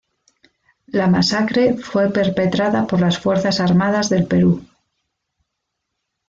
La masacre fue perpetrada por las Fuerzas Armadas del Perú.